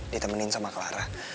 ditemenin sama clara